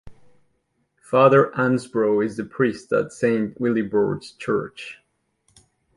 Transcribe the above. Father Ansbro is the priest at Saint Willibrord's Church.